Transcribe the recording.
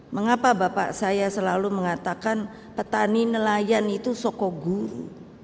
mengapa bapak saya selalu mengatakan petani nelayan itu sokoguru